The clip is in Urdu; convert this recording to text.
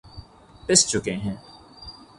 پس چکے ہیں